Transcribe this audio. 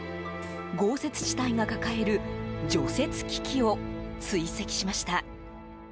豪雪地帯が抱える除雪危機を追跡しました。